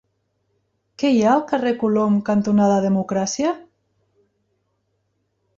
Què hi ha al carrer Colom cantonada Democràcia?